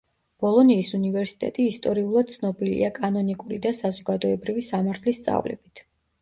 ბოლონიის უნივერსიტეტი ისტორიულად ცნობილია კანონიკური და საზოგადოებრივი სამართლის სწავლებით.